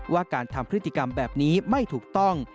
ว่าการทำการไปกันแบบนี้ไม่ถูกต้อง